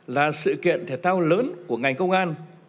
là sự kiện thể thao lớn của ngành công an